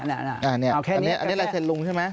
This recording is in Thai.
อันนี้ลายเซ็นลุงใช่ไหม